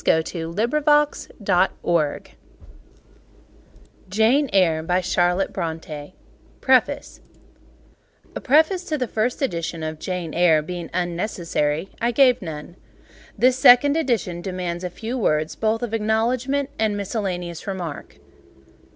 This Work IS RESPECTFULLY INSCRIBED BY THE AUTHOR PREFACE A preface to the first edition of "Jane Eyre" being unnecessary, I gave none: this second edition demands a few words both of acknowledgment and miscellaneous remark.